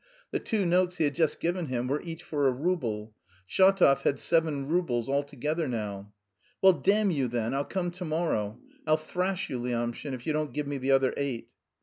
The two notes he had just given him were each for a rouble. Shatov had seven roubles altogether now. "Well, damn you, then, I'll come to morrow. I'll thrash you, Lyamshin, if you don't give me the other eight."